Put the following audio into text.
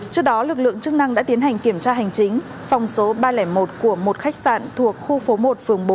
trước đó lực lượng chức năng đã tiến hành kiểm tra hành chính phòng số ba trăm linh một của một khách sạn thuộc khu phố một phường bốn